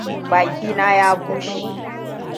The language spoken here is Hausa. Baki na ya bushe.